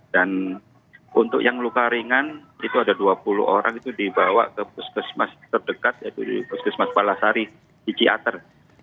dan untuk yang luka ringan itu ada dua puluh orang itu dibawa ke puskesmas terdekat yaitu puskesmas palasari di ciater